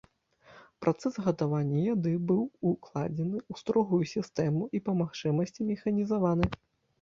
Працэс гатавання яды быў укладзены ў строгую сістэму і па магчымасці механізаваны.